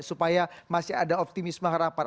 supaya masih ada optimisme harapan